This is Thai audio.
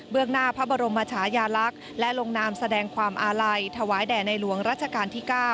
หน้าพระบรมชายาลักษณ์และลงนามแสดงความอาลัยถวายแด่ในหลวงรัชกาลที่๙